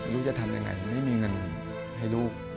ลูกจะทำยังไงไม่มีเงินให้ลูก